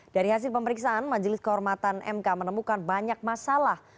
dari hasil pemeriksaan majelis kehormatan mk menemukan banyak masalah